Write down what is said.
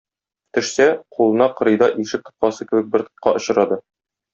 Төшсә, кулына кырыйда ишек тоткасы кебек бер тотка очрады.